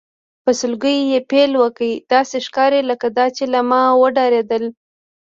په سلګیو یې پیل وکړ، داسې ښکاري لکه دا چې له ما وډارېدل.